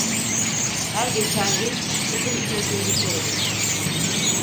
Her geçen gün sizin için tehlikelidir.